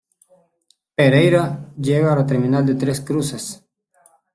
Pereyra llega a la terminal de Tres Cruces.